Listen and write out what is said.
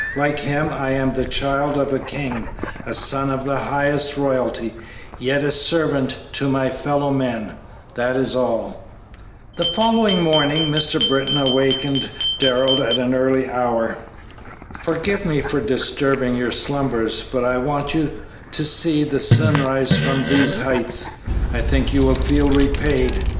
Like Him, I am the child of a King, a son of the highest Royalty, yet a servant to my fellow men; that is all." The following morning Mr. Britton awakened Darrell at an early hour. "Forgive me for disturbing your slumbers, but I want you to see the sunrise from these heights; I think you will feel repaid.